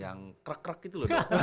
yang krek krek gitu loh dok